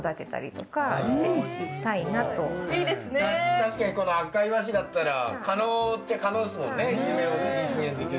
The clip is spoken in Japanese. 確かにこの赤磐市だったら可能っちゃ可能ですもんね。